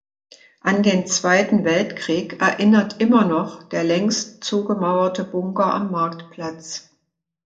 An den Zweiten Weltkrieg erinnert immer noch der längst zugemauerte Bunker am Marktplatz.